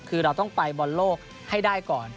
คือเราต้องไปบอลโลกให้ได้ก่อน